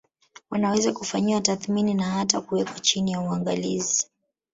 Wanaweza kufanyiwa tathmini na hata kuwekwa chini ya uangalizi